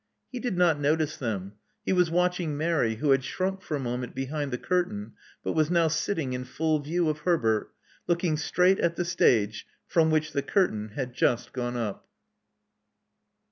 He did not notice them: he was watfching Mary, who had shrunk for a moment behind the curtain, but was now sitting in full view of Herbert, looking straight at the stage, from which the curtain had just gone up.